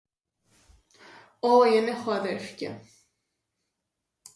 Όι εν έχω αδέρφκια...